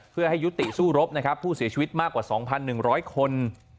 เพื่อให้ยุติสู้รบนะครับผู้เสียชีวิตมากกว่า๒๑๐๐คน